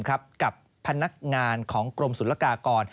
กับพนักงานของกรมศุลกากร